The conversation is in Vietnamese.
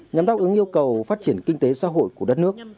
nhằm đáp ứng yêu cầu phát triển kinh tế xã hội của đất nước